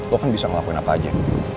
lo kan bisa ngelakuin apa aja